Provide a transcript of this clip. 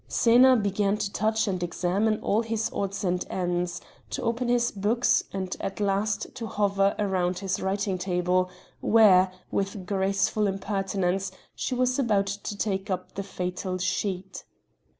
Xena began to touch and examine all his odds and ends, to open his books, and at last to hover round his writing table where, with graceful impertinence, she was about to take up the fatal sheet.